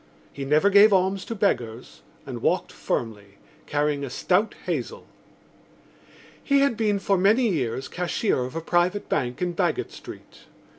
He never gave alms to beggars and walked firmly, carrying a stout hazel. He had been for many years cashier of a private bank in Baggot Street.